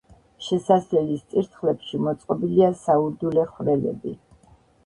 შესასვლელის წირთხლებში მოწყობილია საურდულე ხვრელები.